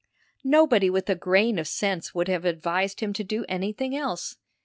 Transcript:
Nobody with a grain of sense would have advised him to do anything else.